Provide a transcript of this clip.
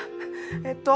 えっと